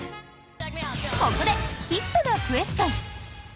ここでヒットなクエスチョン！